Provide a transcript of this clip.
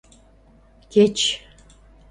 Кеч...